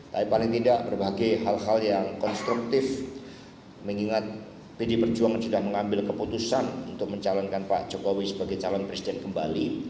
tapi paling tidak berbagai hal hal yang konstruktif mengingat pdi perjuangan sudah mengambil keputusan untuk mencalonkan pak jokowi sebagai calon presiden kembali